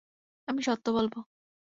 আমি সত্য বলবো।